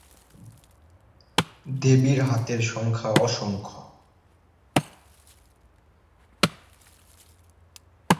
দেবীর হাতের সংখ্যা অসংখ্য।